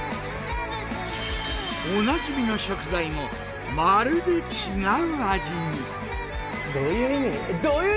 おなじみの食材もまるで違う味に。